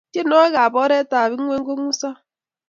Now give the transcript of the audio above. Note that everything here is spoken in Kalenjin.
tienwokik ap oret ap ngueny kongusa